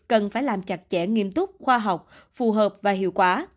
cần phải làm chặt chẽ nghiêm túc khoa học phù hợp và hiệu quả